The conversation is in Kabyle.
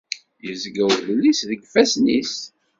Yezga udlis deg ifassen-is.